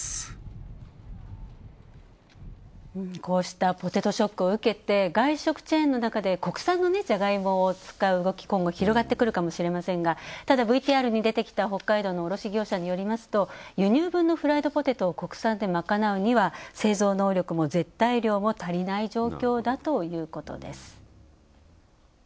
こうしたポテトショックを受けて外食チェーンの中で国産のじゃがいもを使う動き、今後広がってくるかもしれませんがただ、ＶＴＲに出てきた北海道の卸業者によりますと輸入分のフライドポテトを国産で賄うには製造能力も絶対量も足りない状況だということです。